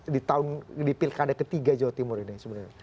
di pilkada ketiga jawa timur ini sebenarnya